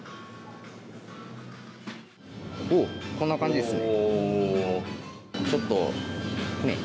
こんな感じですね。